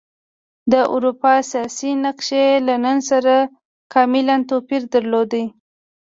د اروپا سیاسي نقشې له نن سره کاملا توپیر درلود.